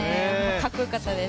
かっこよかったです。